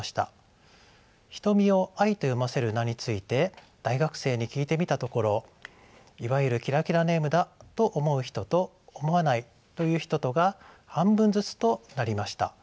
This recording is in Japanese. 「瞳」を「アイ」と読ませる名について大学生に聞いてみたところいわゆるキラキラネームだと思う人と思わないという人とが半分ずつとなりました。